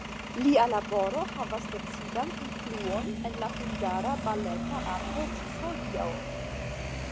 Lia laboro havas decidan influon en la hungara baleta arto ĝis hodiaŭ.